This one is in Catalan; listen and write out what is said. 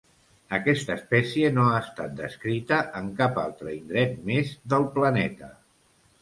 Aquesta espècie no ha estat descrita en cap altre indret més del planeta.